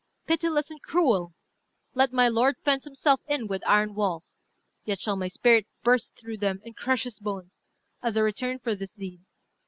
Pitiless and cruel! Let my lord fence himself in with iron walls, yet shall my spirit burst through them and crush his bones, as a return for this deed."